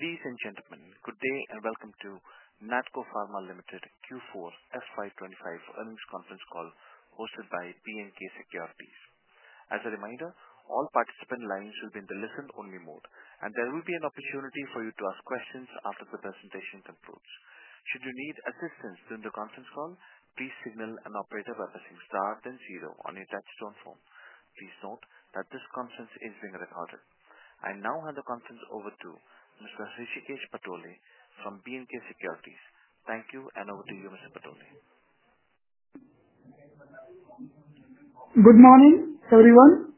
Ladies and gentlemen, good day and welcome to Natco Pharma Limited Q4 FY 2025 earnings conference call hosted by B&K Securities. As a reminder, all participant lines will be in the listen-only mode, and there will be an opportunity for you to ask questions after the presentation concludes. Should you need assistance during the conference call, please signal an operator by pressing star then zero on your touchstone phone. Please note that this conference is being recorded. I now hand the conference over to Mr. Hrishikesh Patole from B&K Securities. Thank you, and over to you, Mr. Patole. Good morning, everyone.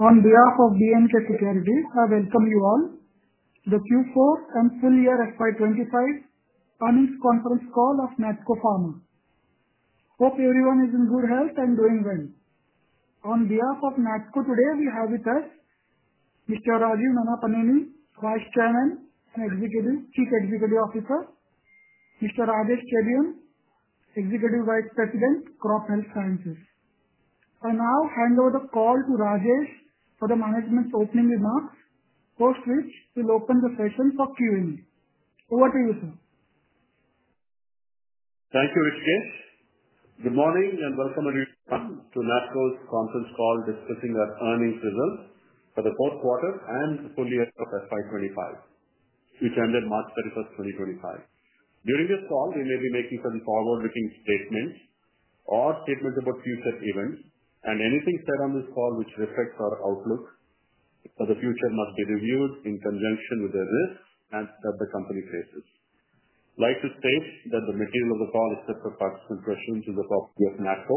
On behalf of B&K Securities, I welcome you all to the Q4 and full year FY 2025 earnings conference call of Natco Pharma. Hope everyone is in good health and doing well. On behalf of Natco, today we have with us Mr. Rajeev Nannapaneni, Vice Chairman and Chief Executive Officer, Mr. Rajesh Chebiyam, Executive Vice President, Crop Health Sciences. I now hand over the call to Rajesh for the management's opening remarks, post which we'll open the session for Q&A. Over to you, sir. Thank you, Hrishikesh. Good morning and welcome everyone to NATCO's conference call discussing our earnings results for the fourth quarter and the full year of FY 2025, which ended March 31st, 2025. During this call, we may be making some forward-looking statements or statements about future events, and anything said on this call which reflects our outlook for the future must be reviewed in conjunction with the risks that the company faces. I'd like to state that the material of the call is kept for participant questions in the property of NATCO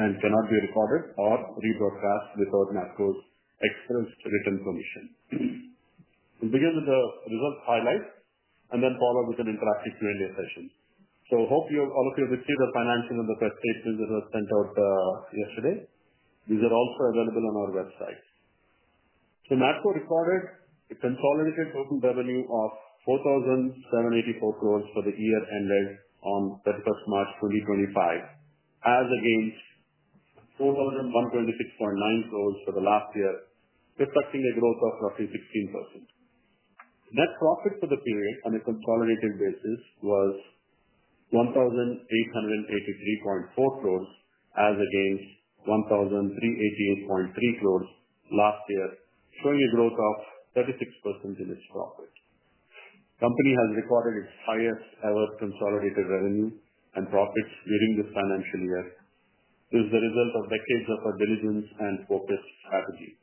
and cannot be recorded or rebroadcast without NATCO's expert written permission. We'll begin with the results highlights and then follow with an interactive Q&A session. Hope all of you have received the financials and the statements that were sent out yesterday. These are also available on our website. NATCO recorded a consolidated total revenue of 4,784 crore for the year ended on March 31, 2025, as against 4,126.9 crore for the last year, reflecting a growth of roughly 16%. Net profit for the period on a consolidated basis was 1,883.4 crore, as against 1,388.3 crore last year, showing a growth of 36% in its profit. The company has recorded its highest-ever consolidated revenue and profits during this financial year. This is the result of decades of diligence and focused strategy.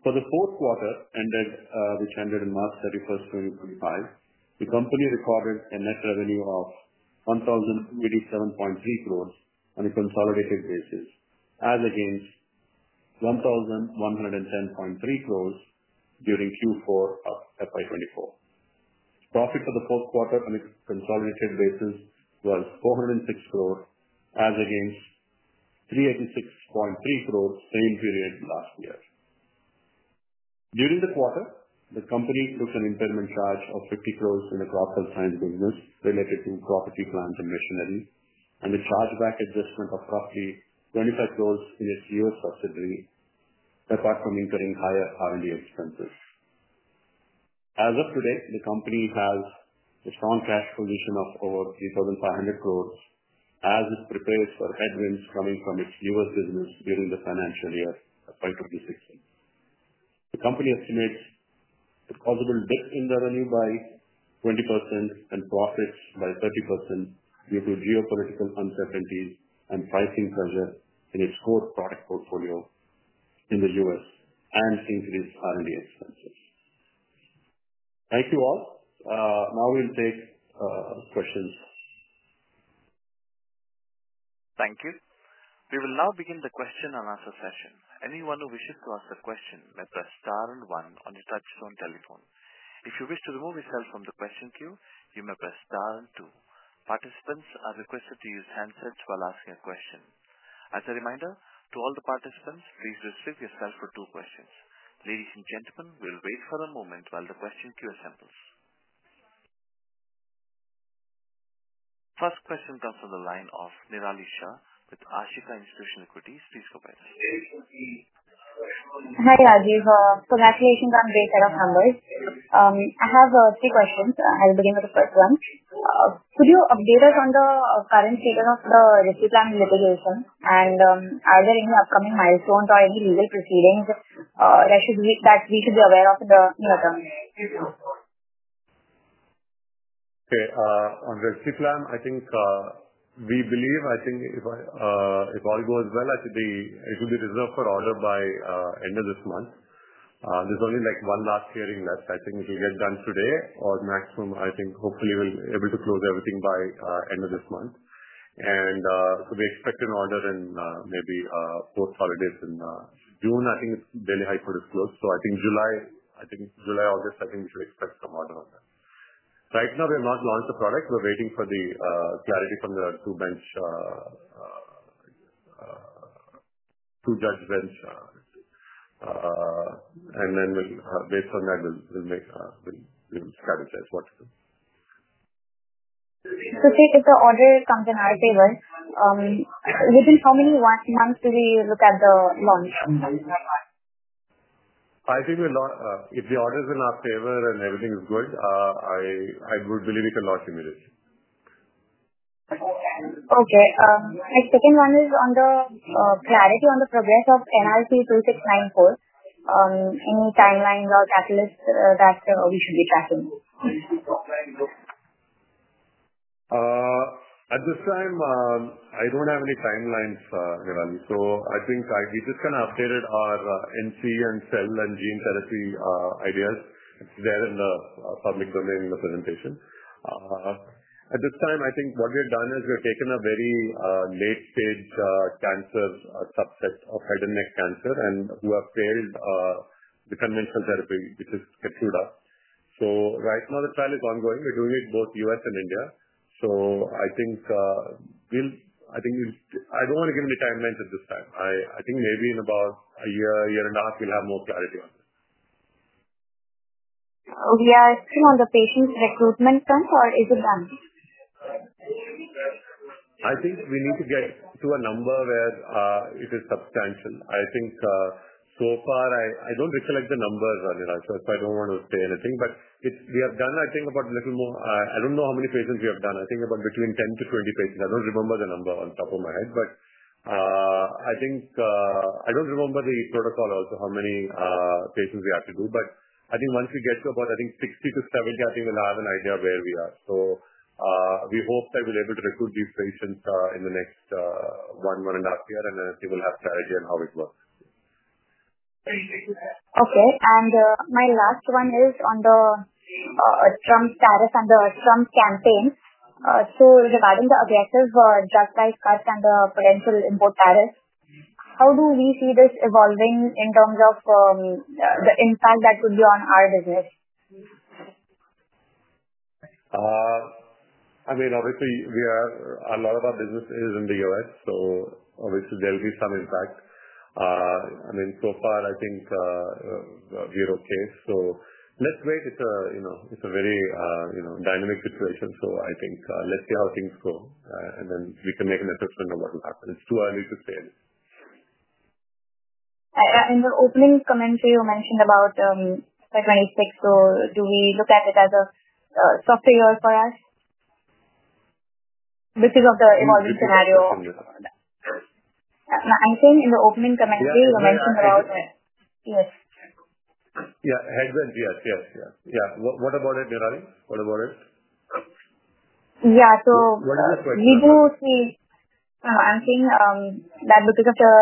For the fourth quarter, which ended on March 31, 2025, the company recorded a net revenue of 1,087.3 crore on a consolidated basis, as against INR 1,110.3 crore during Q4 of FY2024. Profit for the fourth quarter on a consolidated basis was 406 crore, as against 386.3 crore same period last year. During the quarter, the company took an impairment charge of 500 million in the Crop Health Sciences business related to property, plant, and machinery, and a chargeback adjustment of roughly 250 million in its U.S. subsidiary, apart from incurring higher R&D expenses. As of today, the company has a strong cash position of over 35 billion, as it prepares for headwinds coming from its U.S. business during the financial year of 2026. The company estimates a possible dip in revenue by 20% and profits by 30% due to geopolitical uncertainties and pricing pressure in its core product portfolio in the U.S. and increased R&D expenses. Thank you all. Now we'll take questions. Thank you. We will now begin the question and answer session. Anyone who wishes to ask a question may press star and one on your touchstone telephone. If you wish to remove yourself from the question queue, you may press star and two. Participants are requested to use handsets while asking a question. As a reminder to all the participants, please restrict yourself to two questions. Ladies and gentlemen, we will wait for a moment while the question queue assembles. First question comes from the line of Nirali Shah with Ashika Institutional Equities. Please go ahead. Hi Rajesh. Congratulations on the set of numbers. I have three questions. I'll begin with the first one. Could you update us on the current state of the rescue plan litigation, and are there any upcoming milestones or any legal proceedings that we should be aware of in the near term? Okay. On rescue plan, I think we believe, I think if all goes well, it should be reserved for order by the end of this month. There's only one last hearing left. I think it will get done today or maximum, I think hopefully we'll be able to close everything by the end of this month. We expect an order in maybe fourth holidays in June. I think it's daily hyper disclosed. I think July, I think July, August, I think we should expect some order on that. Right now, we have not launched the product. We're waiting for the clarity from the two judge bench, and then based on that, we'll strategize what to do. If the order comes in our favor, within how many months do we look at the launch? I think if the order is in our favor and everything is good, I would believe we can launch immediately. Okay. My second one is on the clarity on the progress of NRG-2694. Any timelines or catalysts that we should be tracking? At this time, I don't have any timelines, Nirali. I think we just kind of updated our NCE and Cell and Gene Therapy ideas. It's there in the public domain in the presentation. At this time, I think what we have done is we have taken a very late-stage cancer subset of head and neck cancer and who have failed the conventional therapy, which is Keytruda. Right now, the trial is ongoing. We're doing it both U.S. and India. I don't want to give any time bench at this time. I think maybe in about a year, year and a half, we'll have more clarity on this. Okay. Yeah. It's still on the patient's recruitment terms, or is it done? I think we need to get to a number where it is substantial. I think so far, I do not recollect the number, Nirali, so I do not want to say anything. We have done, I think, about a little more—I do not know how many patients we have done. I think about between 10-20 patients. I do not remember the number on top of my head, but I do not remember the protocol also, how many patients we have to do. I think once we get to about, I think, 60-70, I think we will have an idea of where we are. We hope that we will be able to recruit these patients in the next one, one and a half year, and then I think we will have clarity on how it works. Okay. My last one is on the Trump tariff and the Trump campaign. Regarding the aggressive drug price cuts and the potential import tariffs, how do we see this evolving in terms of the impact that could be on our business? I mean, obviously, a lot of our business is in the U.S., so obviously, there will be some impact. I mean, so far, I think we are okay. Let's wait. It is a very dynamic situation. I think let's see how things go, and then we can make an assessment of what will happen. It is too early to say. The opening commentary you mentioned about FY 2026, do we look at it as a softer year for us because of the evolving scenario? I think in the opening commentary, you mentioned about. Headwinds. Yes. Yeah. Headwinds. Yes. Yes. Yes. Yeah. What about it, Nirali? What about it? Yeah. So. What is your question? We do see, I'm saying that because of the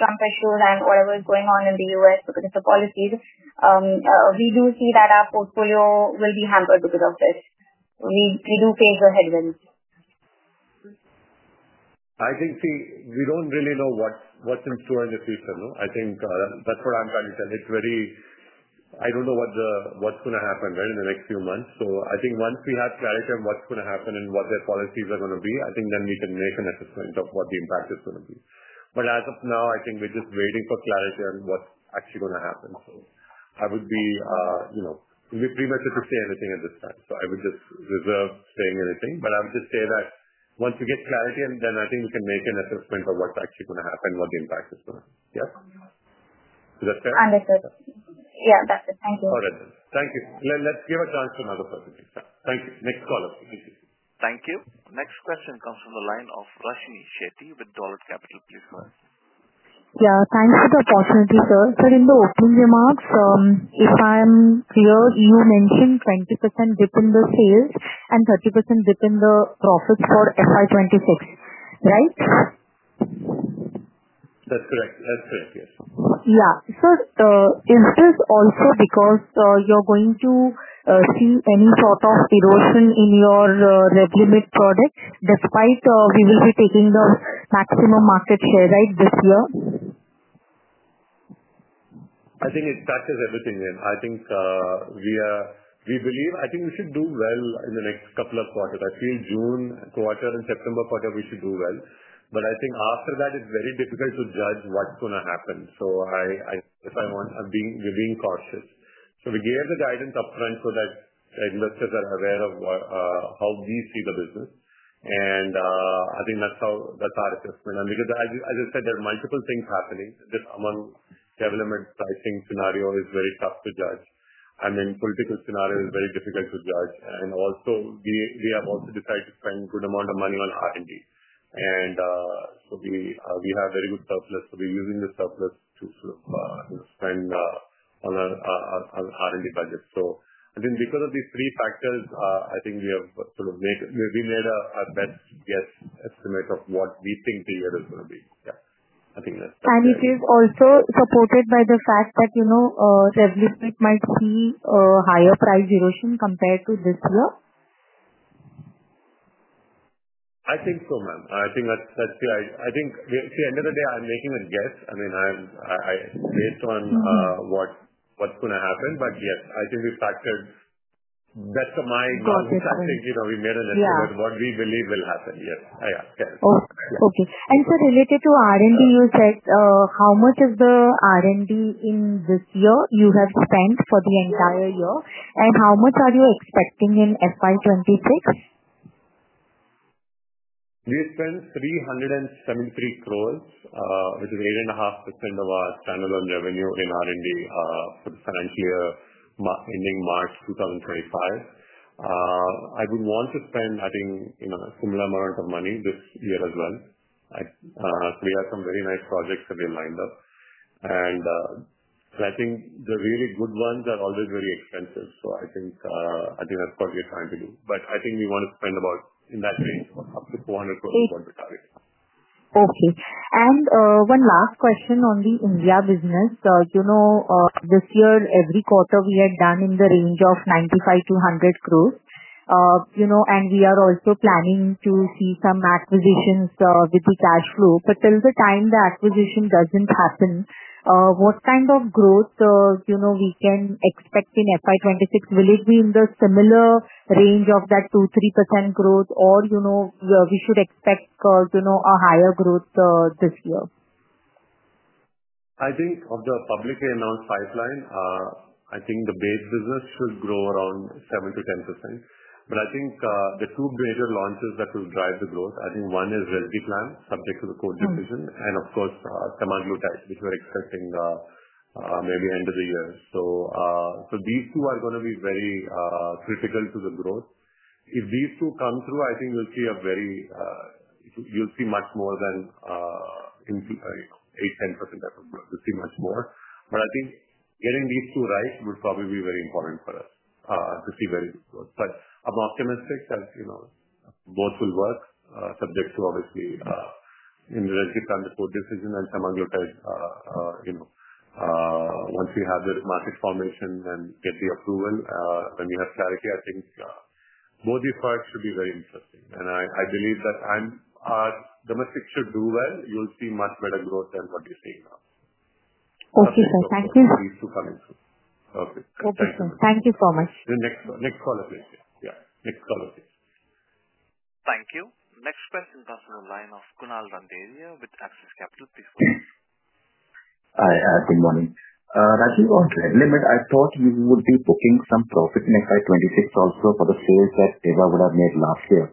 Trump issues and whatever is going on in the U.S. because of the policies, we do see that our portfolio will be hampered because of this. We do face the headwinds. I think, see, we don't really know what's in store in the future. I think that's what I'm trying to tell. I don't know what's going to happen in the next few months. I think once we have clarity on what's going to happen and what their policies are going to be, then we can make an assessment of what the impact is going to be. As of now, I think we're just waiting for clarity on what's actually going to happen. It would be premature to say anything at this time. I would just reserve saying anything. I would just say that once we get clarity, then I think we can make an assessment of what's actually going to happen, what the impact is going to be. Yes? Is that fair? Understood. Yeah. That's it. Thank you. All right. Thank you. Let's give a chance to another person. Thank you. Next caller. Thank you. Thank you. Next question comes from the line of Rashini Shetty with Dolat Capital. Please go ahead. Yeah. Thanks for the opportunity, sir. So in the opening remarks, if I'm clear, you mentioned 20% dip in the sales and 30% dip in the profits for FY2026, right? That's correct. Yes. Yeah. Is this also because you're going to see any sort of erosion in your Revlimid product despite we will be taking the maximum market share, right, this year? I think it factors everything in. I think we believe we should do well in the next couple of quarters. I feel June quarter and September quarter, we should do well. After that, it's very difficult to judge what's going to happen. I think we're being cautious. We gave the guidance upfront so that investors are aware of how we see the business. I think that's our assessment. Because, as I said, there are multiple things happening. Just among development, pricing scenario is very tough to judge. I mean, political scenario is very difficult to judge. We have also decided to spend a good amount of money on R&D. We have very good surplus, so we're using the surplus to sort of spend on our R&D budget. I think because of these three factors, I think we have sort of made our best guess estimate of what we think the year is going to be. Yeah. I think that's fine. Is it also supported by the fact that Revlimid might see a higher price erosion compared to this year? I think so, ma'am. I think that's the, I think, see, at the end of the day, I'm making a guess. I mean, based on what's going to happen. Yes, I think we factored, best of my knowledge. I think we made an estimate of what we believe will happen. Yes. Yeah. Okay. And so related to R&D, you said how much is the R&D in this year you have spent for the entire year, and how much are you expecting in FY 2026? We spent 373 crore, which is 8.5% of our standalone revenue in R&D for the financial year ending March 2025. I would want to spend, I think, a similar amount of money this year as well. We have some very nice projects that we have lined up. I think the really good ones are always very expensive. I think that is what we are trying to do. I think we want to spend about in that range, up to 400 crore is what we target. Okay. And one last question on the India business. This year, every quarter, we had done in the range of 95 crore-100 crore. We are also planning to see some acquisitions with the cash flow. Till the time the acquisition does not happen, what kind of growth can we expect in FY2026? Will it be in the similar range of that 2%-3% growth, or should we expect a higher growth this year? I think of the publicly announced pipeline, I think the base business should grow around 7%-10%. I think the two major launches that will drive the growth, I think one is Risdiplam, subject to the COVID decision, and of course, Semaglutide, which we're expecting maybe end of the year. These two are going to be very critical to the growth. If these two come through, I think you'll see much more than 8%-10% of the growth. You'll see much more. I think getting these two right would probably be very important for us to see very good growth. I'm optimistic that both will work, subject to, obviously, in the rescue plan, the COVID decision, and Semaglutide once we have the market formation and get the approval. When we have clarity, I think both these products should be very interesting. I believe that domestic should do well. You'll see much better growth than what you're seeing now. Okay. So thank you. These two coming through. Okay. Okay. Thank you so much. Next caller, please. Yeah. Thank you. Next question comes from the line of Kunal Randevia with Access Capital. Please go ahead. Hi. Good morning. Rajesh, on Revlimid, I thought you would be booking some profit in FY 2026 also for the sales that Teva would have made last year.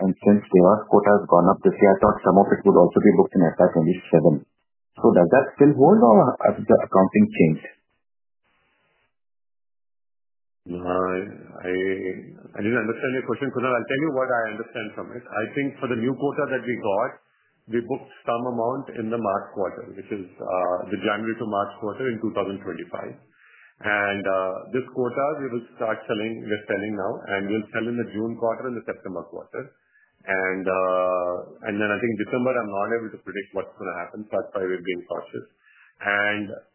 Since Teva's quota has gone up this year, I thought some of it would also be booked in FY2027. Does that still hold, or has the accounting changed? I didn't understand your question, Kunal. I'll tell you what I understand from it. I think for the new quota that we got, we booked some amount in the March quarter, which is the January to March quarter in 2025. This quota, we will start selling, we're selling now, and we'll sell in the June quarter and the September quarter. I think December, I'm not able to predict what's going to happen, so that's why we're being cautious.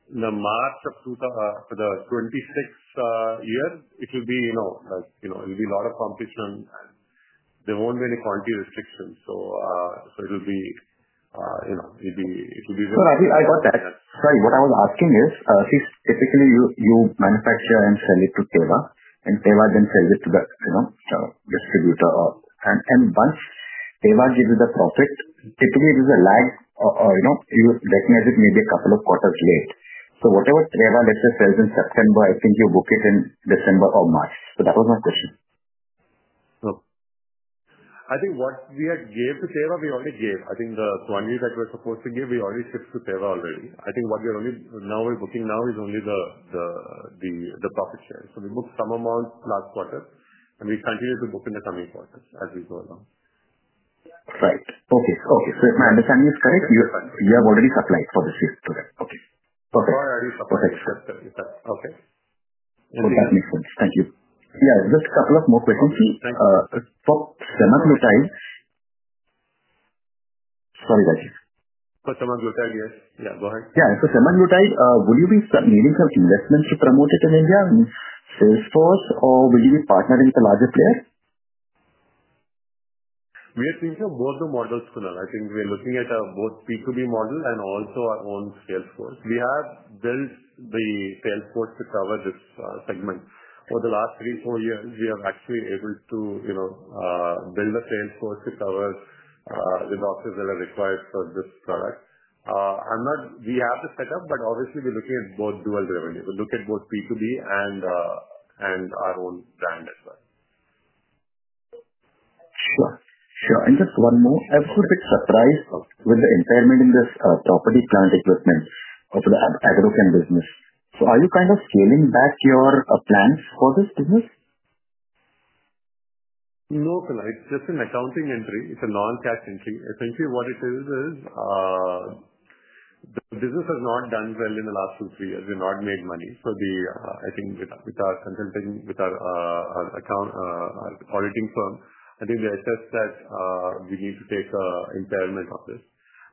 The March for the 2026 year, it will be like it'll be a lot of competition, and there won't be any quantity restrictions. It will be very good. I got that. Sorry. What I was asking is, see, typically, you manufacture and sell it to Teva, and Teva then sells it to the distributor. Once Teva gives you the profit, typically, there's a lag, recognize it may be a couple of quarters late. Whatever Teva, let's say, sells in September, I think you book it in December or March. That was my question. I think what we had gave to Deva, we already gave. I think the quantity that we were supposed to give, we already shipped to Deva already. I think what we're only now we're booking now is only the profit share. We booked some amount last quarter, and we continue to book in the coming quarters as we go along. Right. Okay. Okay. So if my understanding is correct, you have already supplied for this year. Correct. Okay. Perfect. Or already supplied. Okay. Okay. That makes sense. Thank you. Yeah. Just a couple of more questions. Thank you. For Semaglutide, sorry, Rajesh. For Semaglutide, yes. Yeah. Go ahead. Yeah. So Semaglutide, will you be needing some investments to promote it in India and Salesforce, or will you be partnering with a larger player? We are thinking of both the models, Kunal. I think we're looking at both P2B model and also our own Salesforce. We have built the Salesforce to cover this segment. For the last three, four years, we have actually able to build a Salesforce to cover the doctors that are required for this product. We have the setup, but obviously, we're looking at both dual revenue. We look at both P2B and our own brand as well. Sure. Sure. Just one more. I was a bit surprised with the impairment in this property, plant, equipment for the agrochem business. Are you kind of scaling back your plans for this business? No, Kunal. It's just an accounting entry. It's a non-cash entry. Essentially, what it is, is the business has not done well in the last two, three years. We've not made money. I think with our consulting, with our auditing firm, I think they assessed that we need to take impairment of this.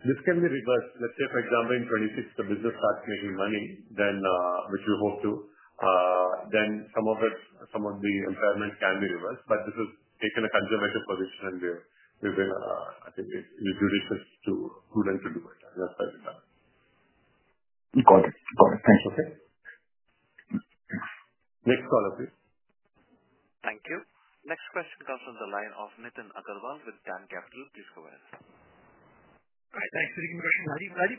This can be reversed. Let's say, for example, in 2026, the business starts making money, which we hope to, then some of the impairment can be reversed. This has taken a conservative position, and we've been, I think, it's judicious to do it. That's why we've done. Got it. Got it. Thanks. Okay. Next caller, please. Thank you. Next question comes from the line of Nathan Agarwal with DAM Capital. Please go ahead. Hi. Thanks for taking the question, Rajeev. Rajeev,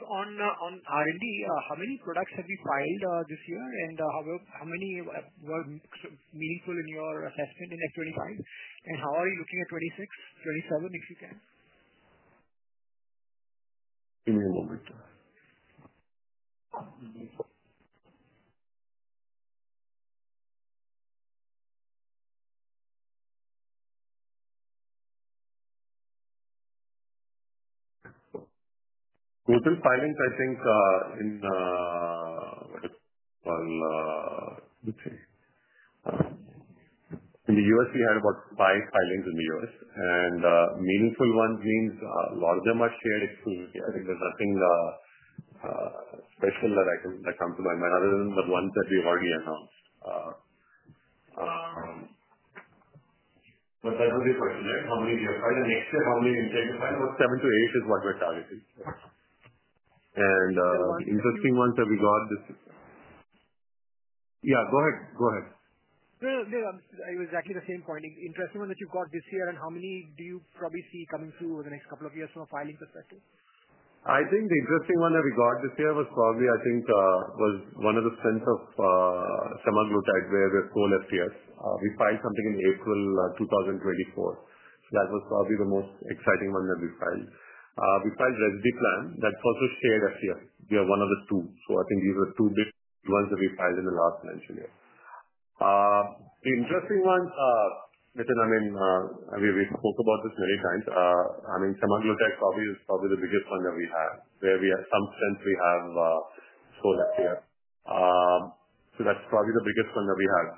on R&D, how many products have you filed this year, and how many were meaningful in your assessment in FY 2025? How are you looking at 2026, 2027, if you can? Give me a moment. Total filings, I think, in what is it called? Let me see. In the U.S., we had about five filings in the U.S. And meaningful ones means a lot of them are shared exclusively. I think there's nothing special that I can come to my mind other than the ones that we've already announced. That was your question, right? How many we have filed and next year, how many we intend to file? About seven to eight is what we're targeting. The interesting ones that we got this, yeah. Go ahead. Go ahead. I was exactly the same point. Interesting ones that you've got this year, and how many do you probably see coming through over the next couple of years from a filing perspective? I think the interesting one that we got this year was probably, I think, was one of the spins of Semaglutide where we're so left here. We filed something in April 2024. That was probably the most exciting one that we filed. We filed Risdiplam that's also shared FY. We are one of the two. I think these are the two big ones that we filed in the last financial year. The interesting ones, I mean, we spoke about this many times. I mean, Semaglutide probably is probably the biggest one that we have, where we have some strength we have so left here. That's probably the biggest one that we have.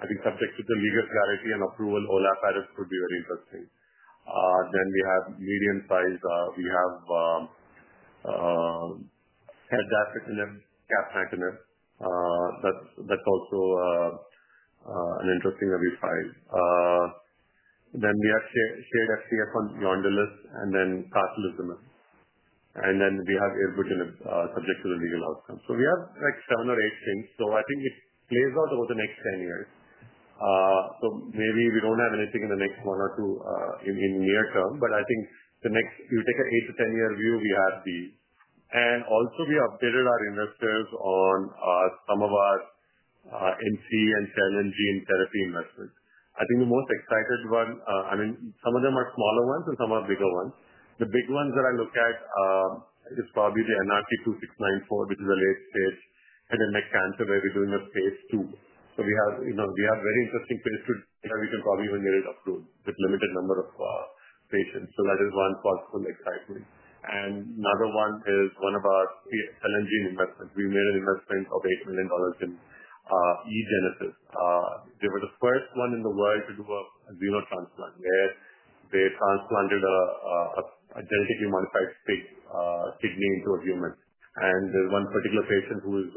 I think, subject to the legal clarity and approval, Olaparib would be very interesting. Then we have medium-sized. We have head dash in it, cap magnet in it. That's also an interesting that we filed. We have shared FCF on Yondelis, and then cartilage in it. We have Ibrutinib in it, subject to the legal outcome. We have like seven or eight things. I think it plays out over the next 10 years. Maybe we do not have anything in the next one or two in the near term, but I think if you take an 8-10 year view, we have these. We updated our investors on some of our NCE and Cell and Gene Therapy investments. I think the most excited one, I mean, some of them are smaller ones and some are bigger ones. The big ones that I look at is probably the NRG-2694, which is a late-stage head and neck cancer where we're doing a phase two. We have very interesting phase two data. We can probably even get it approved with a limited number of patients. That is one possible excitement. Another one is one of our Cell and Gene investments. We made an investment of $8 million in eGenesis. They were the first one in the world to do a xenotransplant where they transplanted a genetically modified pig kidney into a human. There is one particular patient who is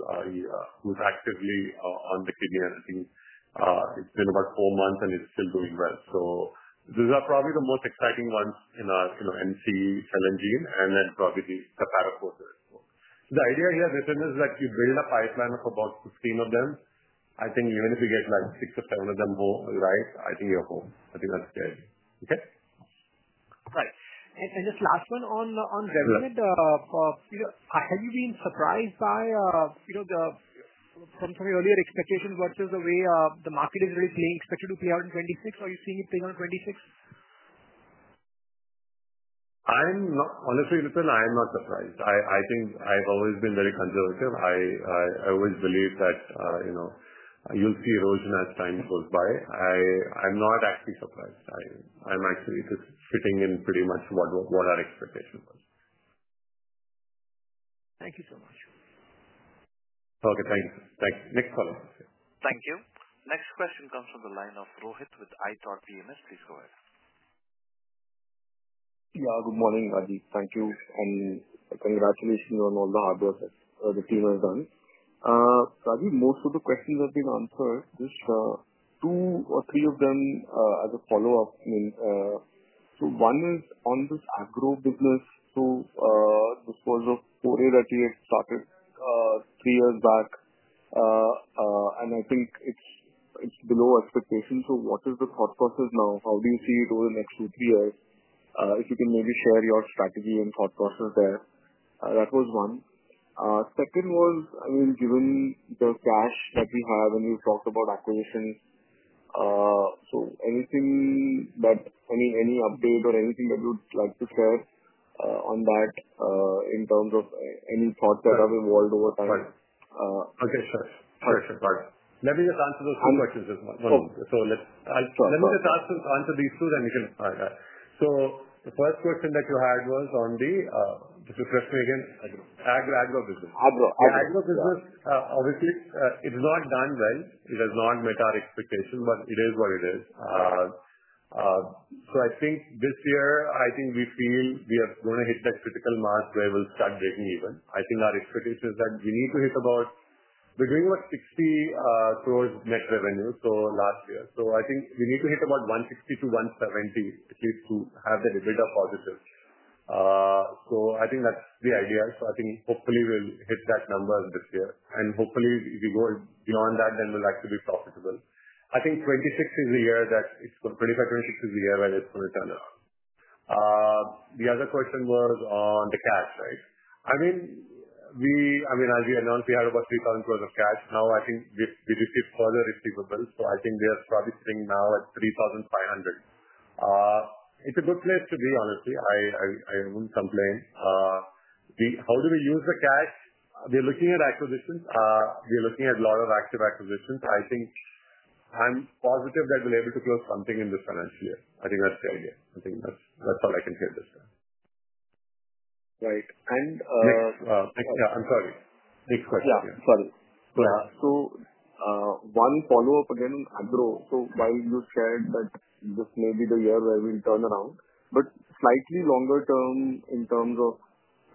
actively on the kidney. I think it has been about four months, and it is still doing well. These are probably the most exciting ones in our NCE, Cell and Gene, and then probably the Paracord as well. The idea here, Nathan, is that you build a pipeline of about 15 of them. I think even if we get six or seven of them right, I think you are home. I think that's the idea. Okay? Right. And just last one on Revlimid. Have you been surprised by some of your earlier expectations versus the way the market is really playing, expected to play out in 2026? Are you seeing it playing out in 2026? Honestly, Nathan, I am not surprised. I think I've always been very conservative. I always believe that you'll see erosion as time goes by. I'm not actually surprised. I'm actually just fitting in pretty much what our expectation was. Thank you so much. Okay. Thank you. Thank you. Next caller, please. Thank you. Next question comes from the line of Rohit with Emkay PMS. Please go ahead. Yeah. Good morning, Rajeev. Thank you. And congratulations on all the hard work that the team has done. Rajeev, most of the questions have been answered. Just two or three of them as a follow-up. One is on this agro business. This was a foray that we had started three years back, and I think it's below expectations. What is the thought process now? How do you see it over the next two-three years? If you can maybe share your strategy and thought process there. That was one. Second was, I mean, given the cash that we have and we've talked about acquisitions, anything that, I mean, any update or anything that you'd like to share on that in terms of any thoughts that have evolved over time? Okay. Sure. Sorry. Let me just answer those two questions just once. Let me just answer these two, then we can— all right. The first question that you had was on the— just refresh me again. Agro business. Agro. Agro business, obviously, it's not done well. It has not met our expectations, but it is what it is. I think this year, I think we feel we are going to hit that critical mark where we'll start breaking even. I think our expectation is that we need to hit about—we're doing about 60 crore net revenue last year. I think we need to hit about 160-170 crore, at least, to have that a bit of positive. I think that's the idea. I think hopefully we'll hit that number this year. Hopefully, if we go beyond that, then we'll actually be profitable. I think 2026 is the year that it's going to—2025, 2026 is the year where it's going to turn around. The other question was on the cash, right? I mean, as we announced, we had about 3,000 crore of cash. Now, I think we received further receivables. I think we are probably sitting now at 3,500. It's a good place to be, honestly. I wouldn't complain. How do we use the cash? We're looking at acquisitions. We're looking at a lot of active acquisitions. I think I'm positive that we're able to close something in this financial year. I think that's the idea. I think that's all I can say at this time. Right. And. Next? Yeah. I'm sorry. Next question. Yeah. Sorry.Go ahead. One follow-up again on agro. While you said that this may be the year where we will turn around, but slightly longer term in terms of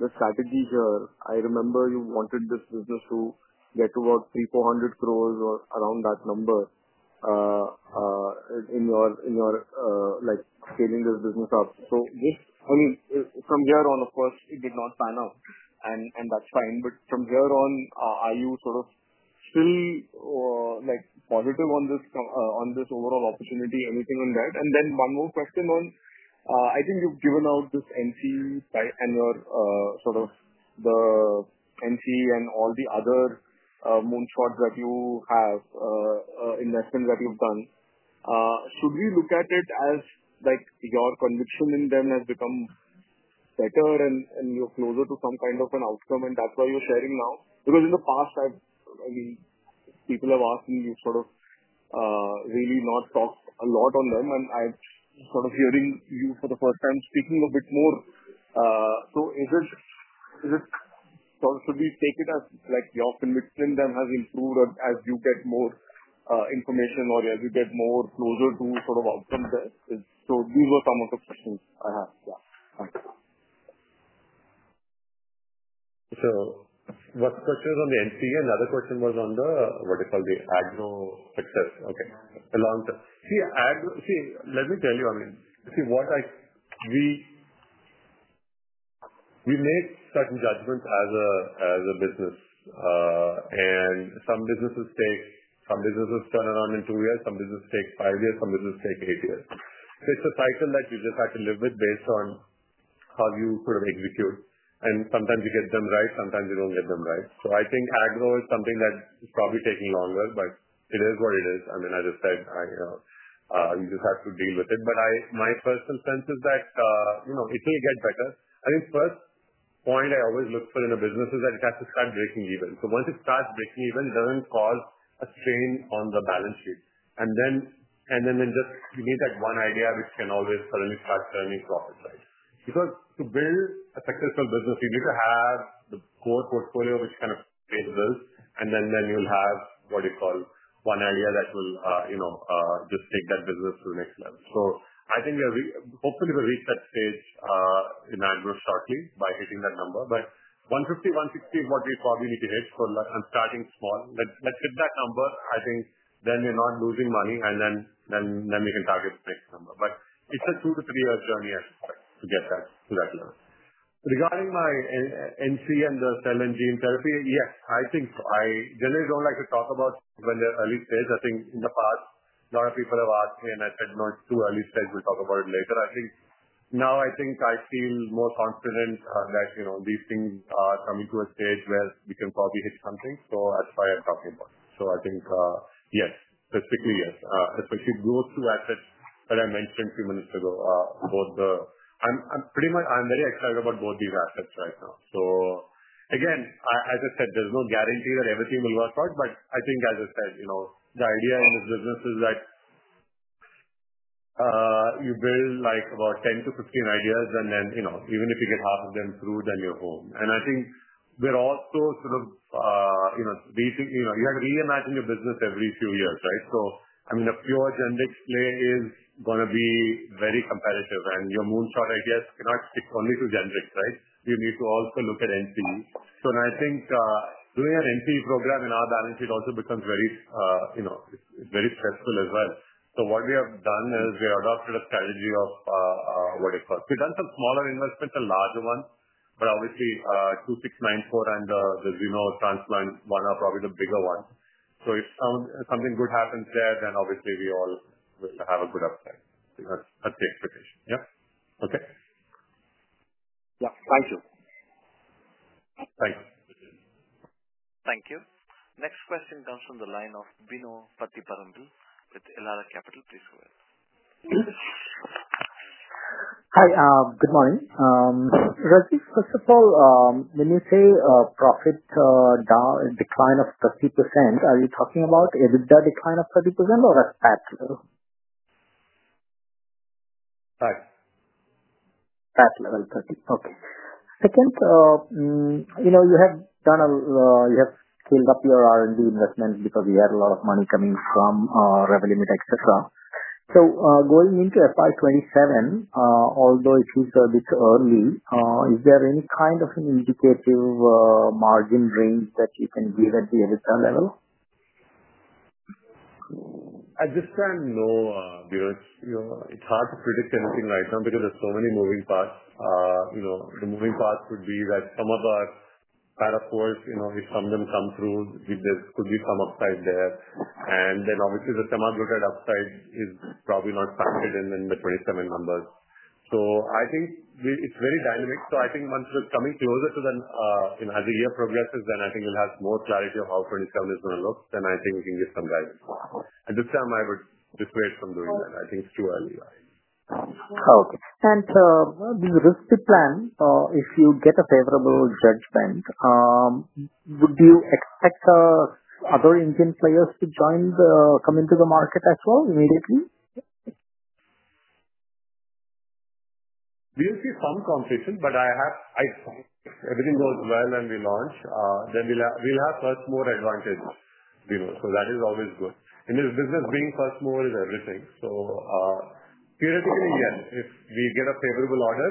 the strategy here, I remember you wanted this business to get to about 3,400 crore or around that number in your scaling this business up. I mean, from here on, of course, it did not pan out, and that's fine. From here on, are you sort of still positive on this overall opportunity, anything on that? One more question on I think you have given out this NCE and your sort of the NCE and all the other moonshots that you have, investments that you have done. Should we look at it as your conviction in them has become better and you are closer to some kind of an outcome, and that's why you are sharing now? Because in the past, I mean, people have asked me, you've sort of really not talked a lot on them, and I'm sort of hearing you for the first time speaking a bit more. Is it sort of should we take it as your conviction in them has improved as you get more information or as you get more closer to sort of outcome? These were some of the questions I have. Yeah. Thanks. What question was on the NC? The other question was on what they call the agro success. Okay. See, let me tell you. I mean, we make certain judgments as a business. Some businesses turn around in two years. Some businesses take five years. Some businesses take eight years. It is a cycle that you just have to live with based on how you sort of execute. Sometimes you get them right. Sometimes you do not get them right. I think agro is something that is probably taking longer, but it is what it is. I mean, as I said, you just have to deal with it. My personal sense is that it will get better. I think the first point I always look for in a business is that it has to start breaking even. Once it starts breaking even, it doesn't cause a strain on the balance sheet. You need that one idea which can always suddenly start turning profits, right? Because to build a successful business, you need to have the core portfolio which kind of pays bills, and then you'll have what you call one idea that will just take that business to the next level. I think hopefully we'll reach that stage in agro shortly by hitting that number. 150 crore-160 crore is what we probably need to hit. I'm starting small. Let's hit that number. I think then we're not losing money, and then we can target the next number. It's a two to three-year journey, I suspect, to get to that level. Regarding my NCE and the Cell and Gene Therapy, yes, I think so. I generally don't like to talk about when they're early stage. I think in the past, a lot of people have asked me, and I said, "No, it's too early stage. We'll talk about it later." Now, I think I feel more confident that these things are coming to a stage where we can probably hit something. That's why I'm talking about it. I think, yes, specifically, yes. Especially those two assets that I mentioned a few minutes ago, both the—I am very excited about both these assets right now. Again, as I said, there's no guarantee that everything will work out. I think, as I said, the idea in this business is that you build about 10-15 ideas, and then even if you get half of them through, then you're home. I think we're also sort of—you have to reimagine your business every few years, right? I mean, a pure generic play is going to be very competitive. Your moonshot ideas cannot stick only to generics, right? You need to also look at NCEs. I think doing an NCE program in our balance sheet also becomes very—it's very stressful as well. What we have done is we adopted a strategy of what they call. We've done some smaller investments, a larger one, but obviously, 2694 and the xenotransplant one are probably the bigger ones. If something good happens there, then obviously we all will have a good upside. That's the expectation. Yeah? Okay. Yeah. Thank you. Thanks. Thank you. Next question comes from the line of Benoor Pattiparambil with Elara Capital. Please go ahead. Hi. Good morning. Rajeev, first of all, when you say profit decline of 30%, are you talking about a decline of 30% or at that level? High. At level 30. Okay. Second, you have done a—you have scaled up your R&D investment because you had a lot of money coming from Revlimid, etc. So going into FY 2027, although it is a bit early, is there any kind of an indicative margin range that you can give at the EBITDA level? At this time, no. It's hard to predict anything right now because there are so many moving parts. The moving parts would be that some of our Paracords, if some of them come through, there could be some upside there. The Semaglutide upside is probably not factored in in the 2027 numbers. I think it's very dynamic. I think once we're coming closer to the—as the year progresses, I think we'll have more clarity of how 2027 is going to look. I think we can give some guidance. At this time, I would dissuade from doing that. I think it's too early. Okay. And this Risdiplam, if you get a favorable judgment, would you expect other Indian players to join, come into the market as well immediately? We'll see some competition, but I have—everything goes well and we launch, then we'll have much more advantage. That is always good. In this business, being first mover is everything. Theoretically, yes. If we get a favorable order,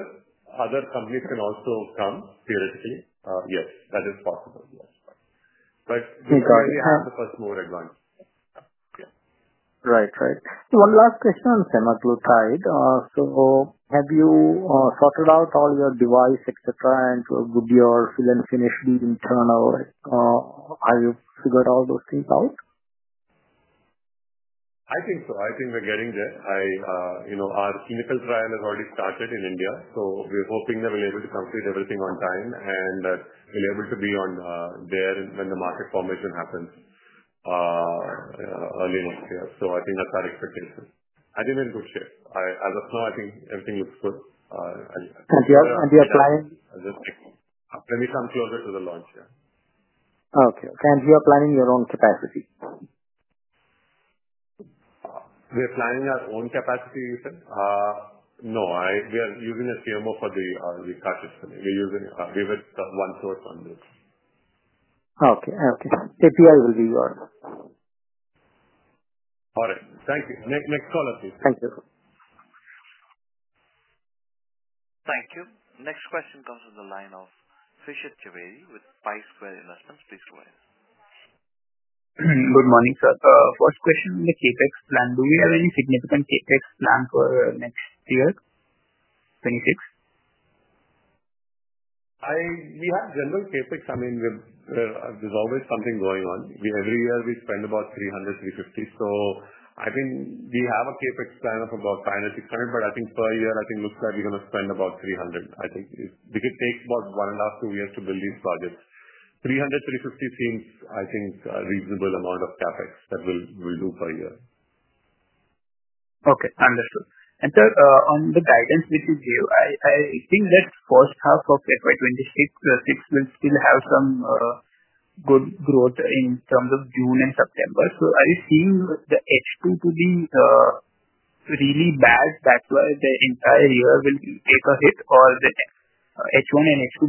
other companies can also come theoretically. Yes, that is possible. We have the first mover advantage. Yeah. Right. Right. One last question on Semaglutide. Have you sorted out all your device, etc., and would your fill and finish be internal? Have you figured all those things out? I think so. I think we're getting there. Our clinical trial has already started in India. We are hoping that we'll be able to complete everything on time and that we'll be able to be there when the market formation happens early next year. I think that's our expectation. I think we're in good shape. As of now, I think everything looks good. You are planning? Let me come closer to the launch. Yeah. Okay. You are planning your own capacity? We're planning our own capacity, you said? No. We are using a CMO for the cartridge. We're with OneSource on this. Okay. Okay. API will be yours. All right. Thank you. Next caller, please. Thank you. Thank you. Next question comes from the line of Phishit Chaveri with PI Square Investments. Please go ahead. Good morning, sir. First question on the CapEx plan. Do we have any significant CapEx plan for next year, 2026? We have general CapEx. I mean, there's always something going on. Every year, we spend about 300 crore-350 crore. I mean, we have a CapEx plan of about 500 crore-600 crore, but I think per year, I think it looks like we're going to spend about 300 crore. I think it takes about one and a half, two years to build these projects. 300 crore-350 crore seems, I think, a reasonable amount of CapEx that we'll do per year. Okay. Understood. Sir, on the guidance which is there, I think that first half of FY 2026 will still have some good growth in terms of June and September. Are you seeing the H2 to be really bad that the entire year will take a hit, or the H1 and H2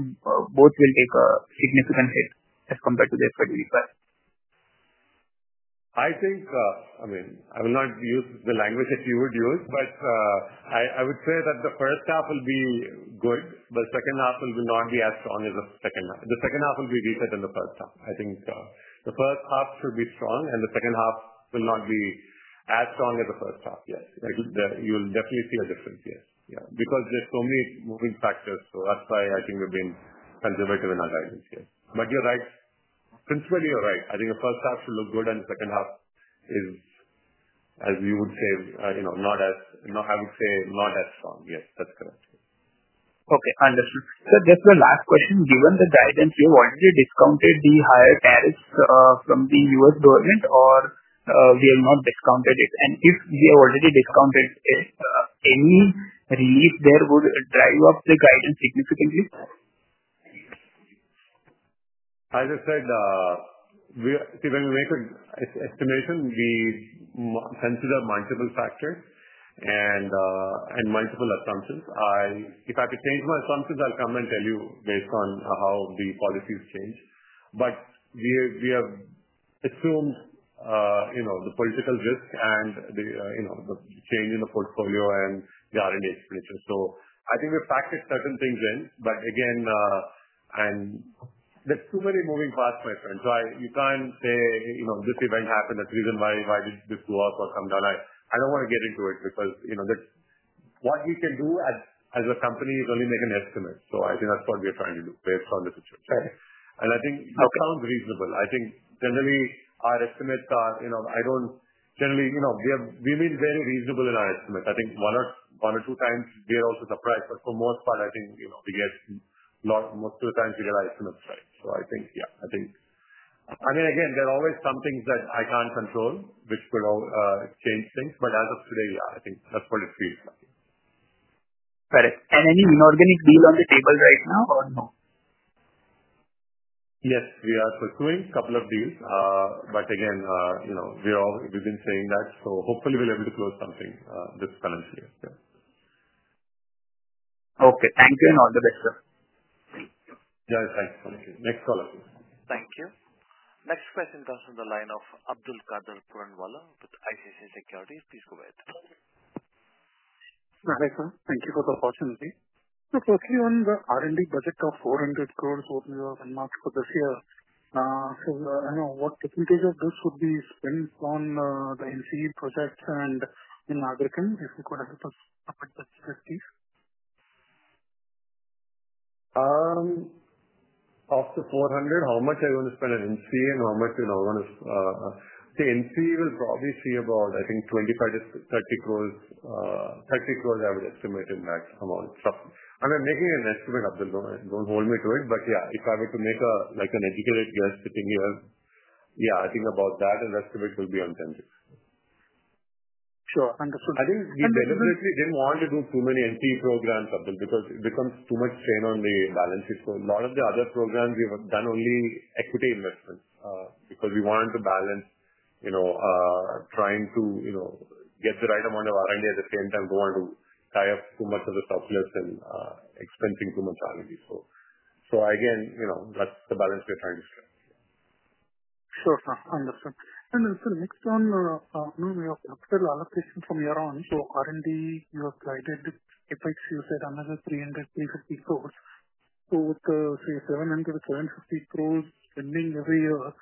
both will take a significant hit as compared to the FY 2025? I mean, I will not use the language that you would use, but I would say that the first half will be good. The second half will not be as strong as the first half. The second half will be weaker than the first half. I think the first half should be strong, and the second half will not be as strong as the first half. Yes. You will definitely see a difference. Yes. Yeah. Because there are so many moving factors. That is why I think we have been conservative in our guidance here. You are right. Principally, you are right. I think the first half should look good, and the second half is, as you would say, not as—I would say not as strong. Yes. That is correct. Okay. Understood. Sir, just the last question. Given the guidance, we have already discounted the higher tariffs from the U.S. government, or we have not discounted it? If we have already discounted it, any relief there would drive up the guidance significantly? As I said, when we make an estimation, we consider multiple factors and multiple assumptions. If I could change my assumptions, I'll come and tell you based on how the policies change. We have assumed the political risk and the change in the portfolio and the R&D expenditure. I think we've factored certain things in. Again, there are too many moving parts, my friend. You can't say this event happened. That's the reason why did this go up or come down. I don't want to get into it because what we can do as a company is only make an estimate. I think that's what we're trying to do based on the situation. I think it sounds reasonable. I think generally, our estimates are—I don't generally, we've been very reasonable in our estimates. I think one or two times, we are also surprised. For the most part, I think we get most of the times, we get our estimates right. I think, yeah. I mean, again, there are always some things that I can't control which could change things. As of today, yeah, I think that's what it feels like. Got it. Any inorganic deal on the table right now or no? Yes. We are pursuing a couple of deals. Again, we've been saying that. Hopefully, we'll be able to close something this financial year. Okay. Thank you and all the best, sir. Thank you. Next caller. Thank you. Next question comes from the line of Abdul Kader Puranwala with ICICI Securities. Please go ahead. Hi sir. Thank you for the opportunity. Firstly, on the R&D budget of 400 crore that we have unlocked for this year, I don't know what % of this would be spent on the NCE projects and in Agrikin. If you could help us cover that, please. Of the 400, how much are you going to spend on NC and how much are you going to—the NC will probably see about, I think, 25-30 crore. 30 crore, I would estimate in that amount. I mean, making an estimate, Abdullah, do not hold me to it. But yeah, if I were to make an educated guess sitting here, yeah, I think about that, an estimate will be on 10 big. Sure. Understood. I think we deliberately didn't want to do too many NCE programs because it becomes too much strain on the balance sheet. A lot of the other programs, we have done only equity investments because we wanted to balance trying to get the right amount of R&D at the same time, don't want to tie up too much of the surplus and expensing too much R&D. Again, that's the balance we're trying to strike. Sure. Understood. Sir, next one, we have capital allocation from year on. R&D, you have guided CapEx, you said another 300 crore-350 crore. With the, say, 700 crore-750 crore spending every year,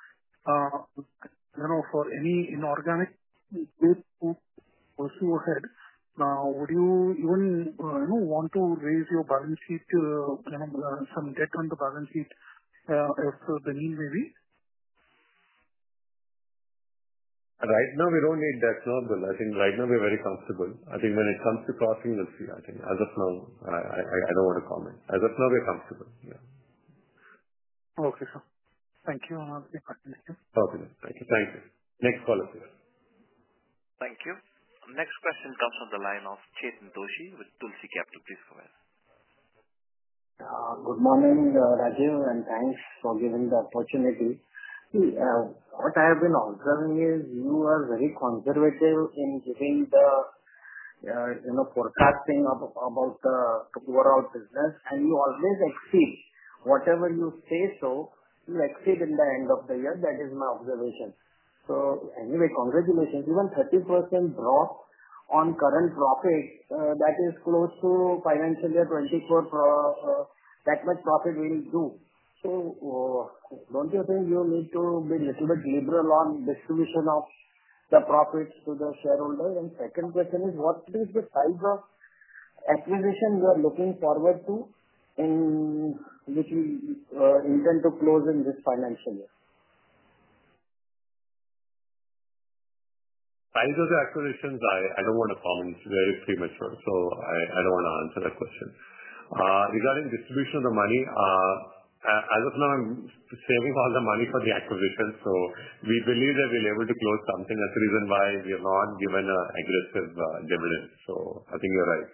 for any inorganic goods to pursue ahead, would you even want to raise your balance sheet to some debt on the balance sheet if the need may be? Right now, we don't need that, no, Bill. I think right now, we're very comfortable. I think when it comes to crossing, we'll see. I think as of now, I don't want to comment. As of now, we're comfortable. Yeah. Okay, sir. Thank you. Okay. Thank you. Next caller, please. Thank you. Next question comes from the line of Chet Ndoshi with Tulsi Capital. Please go ahead. Good morning, Rajeev, and thanks for giving the opportunity. What I have been observing is you are very conservative in giving the forecasting about the overall business, and you always exceed. Whatever you say, you exceed in the end of the year. That is my observation. Anyway, congratulations. Even 30% drop on current profit, that is close to financial year 2024, that much profit will do. Do not you think you need to be a little bit liberal on distribution of the profits to the shareholders? Second question is, what is the type of acquisition you are looking forward to and which you intend to close in this financial year? Size of the acquisitions, I don't want to comment. It's very premature. I don't want to answer that question. Regarding distribution of the money, as of now, I'm saving all the money for the acquisition. We believe that we'll be able to close something. That's the reason why we have not given an aggressive dividend. I think you're right.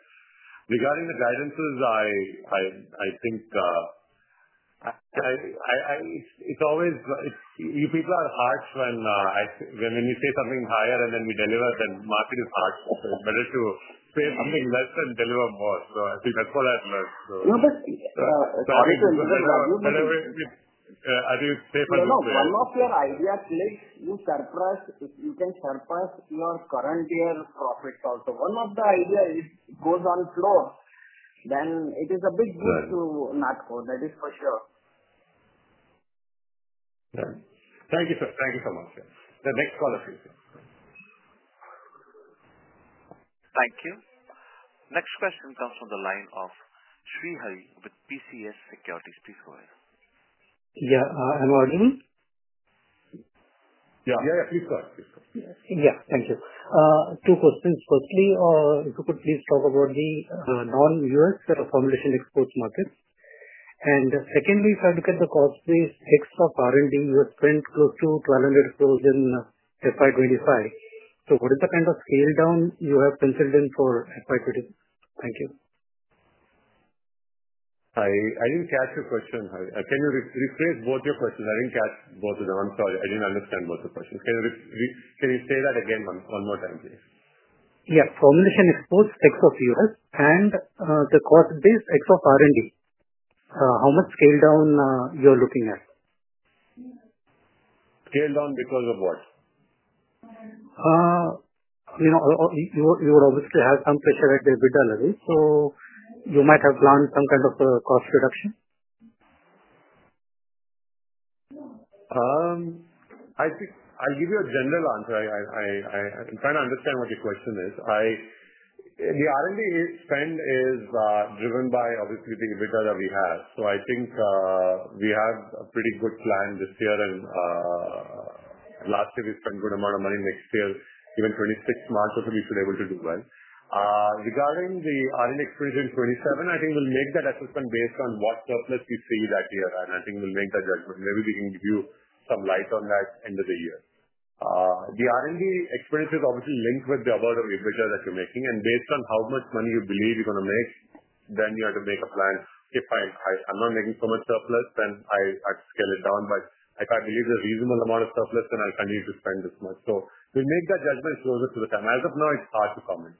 Regarding the guidances, I think it's always people are harsh when we say something higher and then we deliver, then market is harsh. It's better to say something less than deliver more. I think that's what I've learned. No, but. Sorry. I think it's safer this way. One of your ideas, please, you surprise if you can surpass your current year profits also. One of the ideas goes on floor, then it is a big boost to Natco. That is for sure. Yeah. Thank you, sir. Thank you so much. The next caller, please. Thank you. Next question comes from the line of Srihari with PCS Securities. Please go ahead. Yeah. I'm auditing. Yeah. Please go ahead. Yeah. Thank you. Two questions. Firstly, if you could please talk about the non-US formulation exports market. Secondly, if I look at the cost-based fix of R&D, you have spent close to 1,200 crore in FY 2025. What is the kind of scale down you have considered in for FY 2026? Thank you. I didn't catch your question. Can you rephrase both your questions? I didn't catch both of them. I'm sorry. I didn't understand both your questions. Can you say that again one more time, please? Yeah. Formulation exports ex of US and the cost-based ex of R&D. How much scale down you're looking at? Scale down because of what? You would obviously have some pressure at the EBITDA level. So you might have planned some kind of cost reduction? I'll give you a general answer. I'm trying to understand what your question is. The R&D spend is driven by, obviously, the bidder that we have. I think we have a pretty good plan this year. Last year, we spent a good amount of money. Next year, even 2026, March also, we should be able to do well. Regarding the R&D exposure in 2027, I think we'll make that assessment based on what surplus we see that year. I think we'll make that judgment. Maybe we can give you some light on that end of the year. The R&D exposure is obviously linked with the above bidder that you're making. Based on how much money you believe you're going to make, then you have to make a plan. Okay. Fine. I'm not making so much surplus, then I'll scale it down. If I believe there is a reasonable amount of surplus, then I will continue to spend this much. We will make that judgment closer to the time. As of now, it is hard to comment.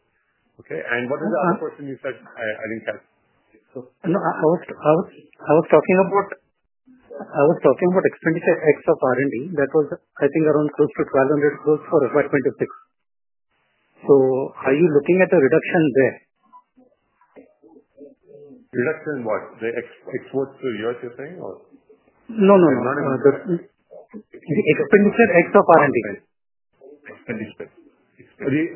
Okay? What was the other question you said? I did not catch it. No. I was talking about expenditure ex of R&D. That was, I think, around close to 1,200 crore for FY 2026. Are you looking at a reduction there? Reduction in what? The exports to U.S., you're saying, or? No, no, no. The expenditure ex of R&D. Expenditure.